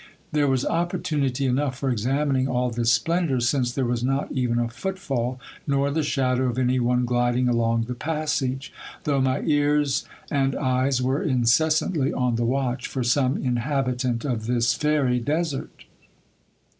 There was opportunity enough for examining all this splendour, since there was not even a foot fall, nor the shadow of any one gliding along the passage, though my ears and eyes were incessantly on the wt.tch for some inhabitant of this fairy desert.